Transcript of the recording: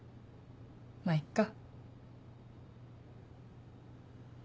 まぁいっか。